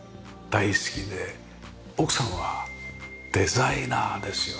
奥さんはデザイナーですよね。